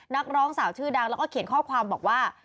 นักร้องสาวชื่อดังแล้วก็เขียนข้อความบอกว่า